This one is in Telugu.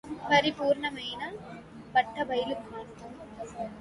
పరిపూర్ణమై బట్టబయలుగాను